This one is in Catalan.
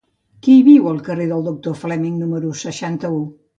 Qui viu al carrer del Doctor Fleming número seixanta-u?